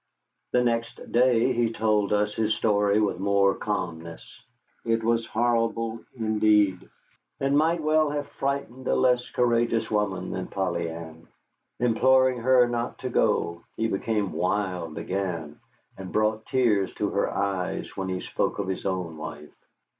The next day he told us his story with more calmness. It was horrible indeed, and might well have frightened a less courageous woman than Polly Ann. Imploring her not to go, he became wild again, and brought tears to her eyes when he spoke of his own wife.